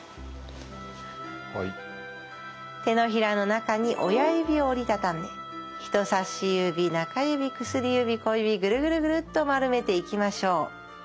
手のひらの中に親指を折り畳んで人さし指中指薬指小指ぐるぐるぐるっとまるめていきましょう。